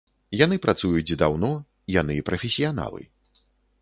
Яны працуюць даўно, яны прафесіяналы.